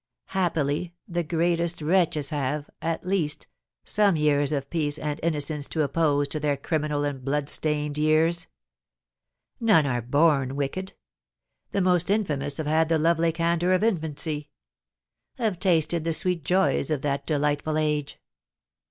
Happily, the greatest wretches have, at least, some years of peace and innocence to oppose to their criminal and blood stained years. None are born wicked; the most infamous have had the lovely candour of infancy, have tasted the sweet joys of that delightful age.